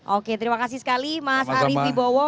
oke terima kasih sekali mas arief wibowo